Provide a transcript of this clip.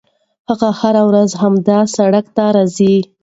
هغه هره ورځ همدې سړک ته راځي.